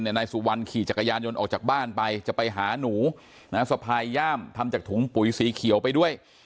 นายสุวรรณขี่จักรยานยนต์ออกจากบ้านไปจะไปหาหนูสะพายย่ามทำจากถุงปุ๋ยสีเขียวไปด้วย